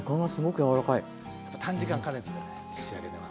やっぱ短時間加熱でね仕上げてます。